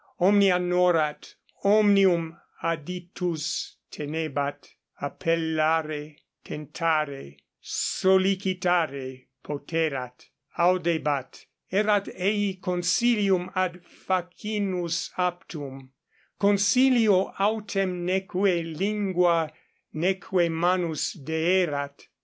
Omnia norat, omnium aditus tenebat; appellare, tentare, sollicitare poterat, audebat; erat ei consilium ad facinus aptum, consilio autem neque lingua neque manus deerat.